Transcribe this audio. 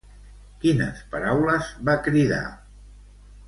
Quines paraules va cridar?